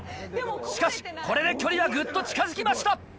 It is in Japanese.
しかしこれで距離はグッと近づきました！